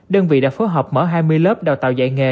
đơn vị đã phối hợp mở hai mươi lớp đào tạo dạy nghề